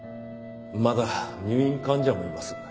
まだ入院患者もいます。